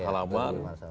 ya dua lima ratus halaman